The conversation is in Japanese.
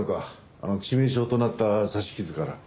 あの致命傷となった刺し傷から。